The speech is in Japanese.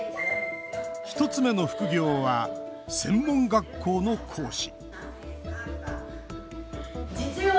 １つ目の副業は専門学校の講師